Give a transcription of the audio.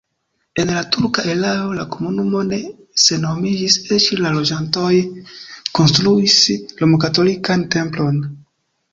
En la turka erao la komunumo ne senhomiĝis, eĉ la loĝantoj konstruis romkatolikan templon.